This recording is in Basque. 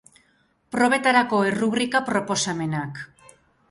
Probetarako errubrika-proposamenak.